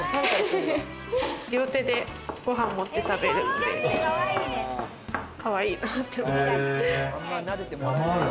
両手でご飯持って食べるのでかわいいなって思う。